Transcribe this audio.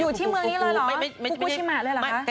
อยู่ที่เมืองนี้หรอภูกษิมาตรเลยหรอคะ